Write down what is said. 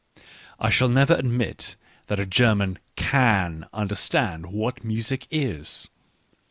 .).. I shall never admit that a German can understand what music is.